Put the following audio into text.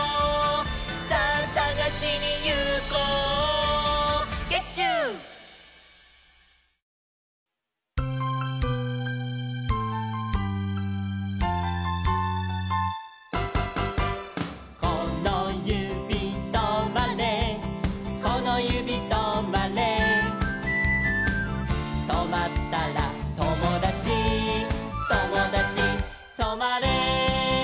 「さぁさがしにいこう」「ゲッチュー」「このゆびとまれこのゆびとまれ」「とまったらともだちともだちとまれ」